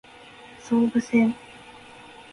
総武線